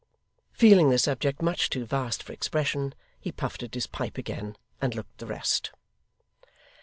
Feeling the subject much too vast for expression, he puffed at his pipe again, and looked the rest.